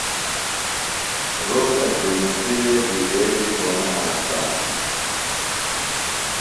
روتہ جُمیتیۡ وے گُچے بیۡ کو نہ ہنسانہ۔